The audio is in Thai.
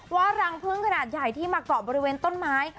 รังพึ่งขนาดใหญ่ที่มาเกาะบริเวณต้นไม้